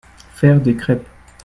Faire des crèpes.